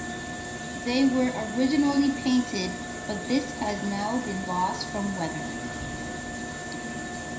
They were originally painted but this has now been lost from weathering.